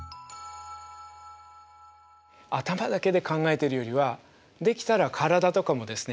頭だけで考えてるよりはできたら体とかもですね